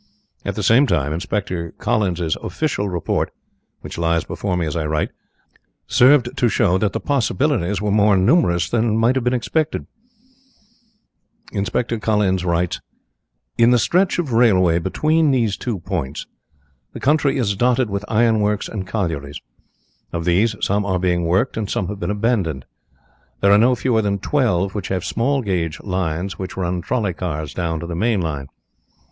At the same time, Inspector Collins's official report (which lies before me as I write) served to show that the possibilities were more numerous than might have been expected. "In the stretch of railway between these two points," said he, "the country is dotted with ironworks and collieries. Of these, some are being worked and some have been abandoned. There are no fewer than twelve which have small gauge lines which run trolly cars down to the main line.